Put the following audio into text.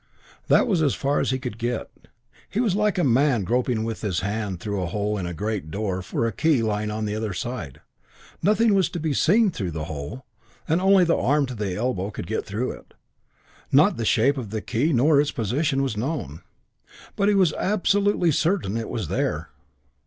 That was as far as he could get. He was like a man groping with his hand through a hole in a great door for a key lying on the other side. Nothing was to be seen through the hole, and only the arm to the elbow could get through it. Not the shape of the key nor its position was known. But he was absolutely certain it was there.